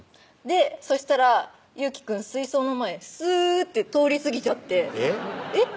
そしたら祐樹くん水槽の前スーッて通り過ぎちゃってえっ？